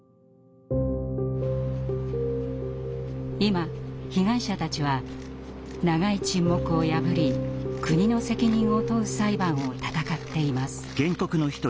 今被害者たちは長い沈黙を破り国の責任を問う裁判を闘っています。